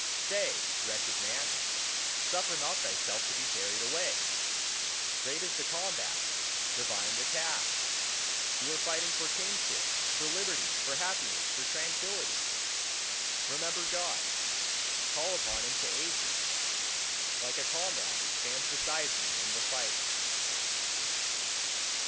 "Stay, wretched man! suffer not thyself to be carried away!" Great is the combat, divine the task! you are fighting for Kingship, for Liberty, for Happiness, for Tranquillity. Remember God: call upon Him to aid thee, like a comrade that stands beside thee in the fight.